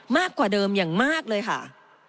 มากกว่าเดิมอย่างมากเลยค่ะ